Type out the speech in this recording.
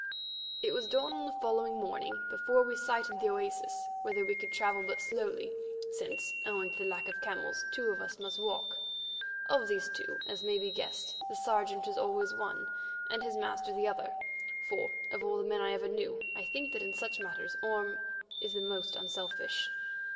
It was dawn on the following morning before we sighted the oasis, whither we could travel but slowly, since, owing to the lack of camels, two of us must walk. Of these two, as may be guessed, the Sergeant was always one and his master the other, for of all the men I ever knew I think that in such matters Orme is the most unselfish.